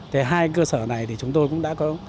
thế hai cơ sở này thì chúng tôi cũng đã có